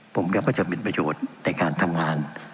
ผมยังก็จะมีประโยชน์ในการทำงาน